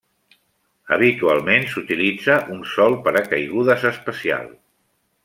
Habitualment s’utilitza un sol paracaigudes especial.